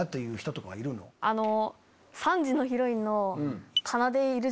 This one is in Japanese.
３時のヒロインのかなで。